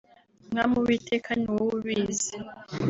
“Mwami Uwiteka ni wowe ubizi